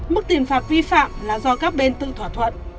mức tiền phạt vi phạm là do các bên tự thỏa thuận